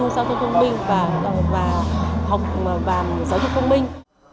xây dựng xã thông minh và học và giáo dục thông minh